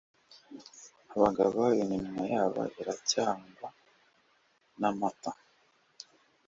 Abagabo iminwa yabo iracyanywa n'amata